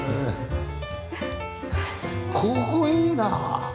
ここいいなあ！